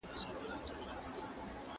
څنګه د نویو شیانو زده کړه ذهن ځوان ساتي؟